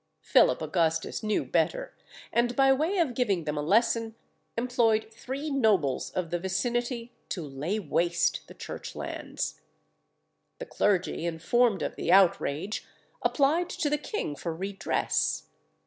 Philip Augustus knew better, and by way of giving them a lesson, employed three nobles of the vicinity to lay waste the Church lands. The clergy, informed of the outrage, applied to the king for redress.